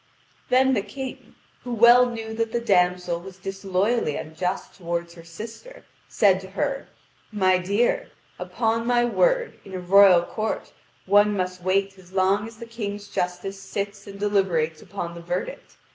Then the King, who well knew that the damsel was disloyally unjust toward her sister, said to her: "My dear, upon my word, in a royal court one must wait as long as the king's justice sits and deliberates upon the verdict.